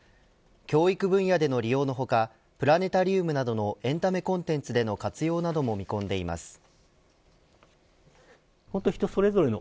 教育分野での利用の他プラネタリウムなどのエンタメコンテンツでの活用なども見込んでいます。